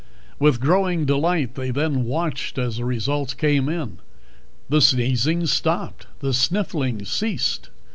With growing delight they then watched as the results came in. The sneezing stopped; the sniffling ceased.